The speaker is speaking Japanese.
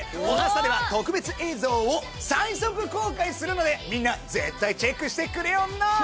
『おはスタ』では特別映像を最速公開するのでみんな絶対チェックしてくれよな！